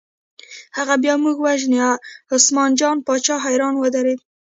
هغه بیا موږ وژني، عثمان جان باچا حیران ودرېد.